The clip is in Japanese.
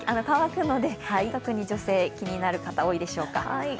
乾くので、特に女性は気になる方は多いでしょうか。